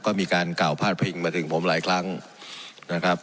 ก็มีการกล่าวพาดพิงมาถึงผมหลายครั้งนะครับ